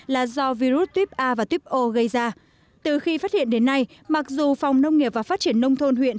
là do virus tuyếp a và tuyếp o gây ra từ khi phát hiện đến nay mặc dù phòng nông nghiệp và phát triển nông thôn huyện